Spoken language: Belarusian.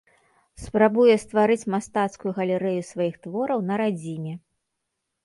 Спрабуе стварыць мастацкую галерэю сваіх твораў на радзіме.